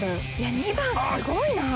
２番すごいなぁ。